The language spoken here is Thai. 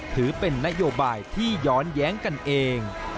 ถือเป็นนโยบายที่ย้อนแย้งกันเอง